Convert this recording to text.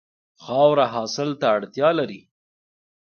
خاوره حاصل ته اړتیا لري.